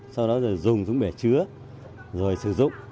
sau đó dùng xuống bể chứa rồi sử dụng